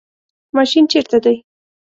ماشین چیرته دی؟